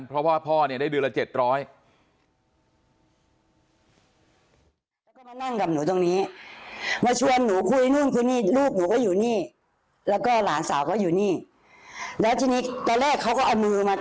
เพราะว่าพ่อเนี่ยได้เดือนละเจ็ดร้อย